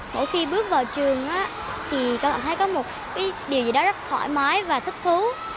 mỗi khi bước vào trường thì con cảm thấy có một cái điều gì đó rất thoải mái và thích thú